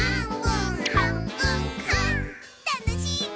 たのしいぐ！